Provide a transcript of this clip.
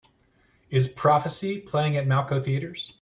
Is Prophecy playing at Malco Theatres